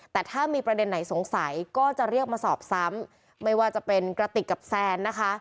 แต่ถ้ามีประเด็นไหนสงสัยก็จะเรียกมาสอบซ้ำไม่ว่าจะเป็นกระติกกับแซนนะคะ